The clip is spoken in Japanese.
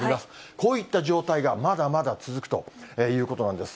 こういった状態がまだまだ続くということなんです。